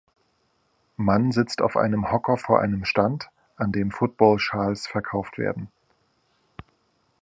Mann sitzt auf einem Hocker vor einem Stand, an dem Footballschals verkauft werden